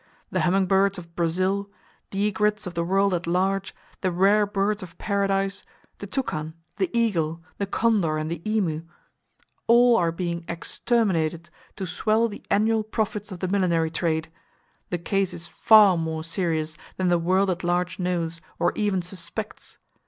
The humming birds of Brazil, the egrets of the world at large, the rare birds of paradise, the toucan, the eagle, the condor and the emu, all are being exterminated to swell the annual profits of the millinery trade. The case is far more serious than the world at large knows, or even suspects.